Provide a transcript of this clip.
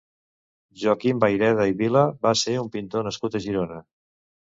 Joaquim Vayreda i Vila va ser un pintor nascut a Girona.